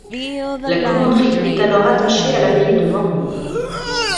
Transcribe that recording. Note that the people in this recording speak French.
La commanderie est alors rattachée à l'abbaye de Mormant.